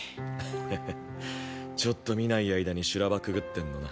ハハッちょっと見ない間に修羅場くぐってんのな。